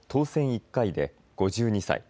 １回で５２歳。